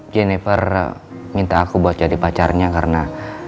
jennifer minta aku buat jadi pacarnya karena